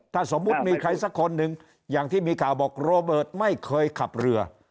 ถ้าสมมุติมีใครสักคนหนึ่งอย่างที่มีข่าวบอกโรเบิร์ตไม่เคยขับเรือ